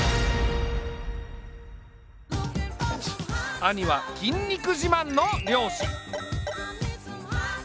兄は筋肉自慢の漁師。